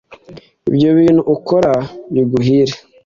ibyo bintu ukora biguhire